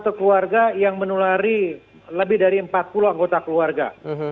satu keluarga yang menulari lebih dari empat puluh anggota keluarga